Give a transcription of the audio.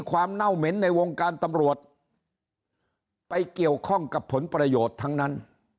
เน่าเหม็นในวงการตำรวจไปเกี่ยวข้องกับผลประโยชน์ทั้งนั้น